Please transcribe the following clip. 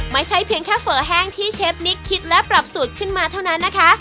ไม่ใช่เพียงแค่เฝอแห้งที่เชฟนิกคิดและปรับสูตรขึ้นมาเท่านั้นนะคะ